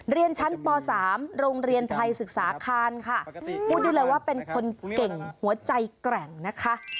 เรียนชั้นป๓โรงเรียนไทยศึกษาคารค่ะพูดได้เลยว่าเป็นคนเก่งหัวใจแกร่งนะคะ